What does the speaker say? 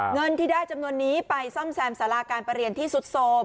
เงินที่ได้จำนวนนี้ไปซ่อมแซมสาราการประเรียนที่สุดโทรม